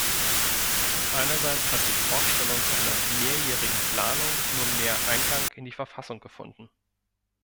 Einerseits hat die Vorstellung einer mehrjährigen Planung nunmehr Eingang in die Verfassung gefunden.